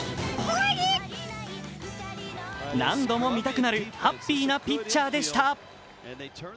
何度も見たくなるハッピーなピッチャーでした。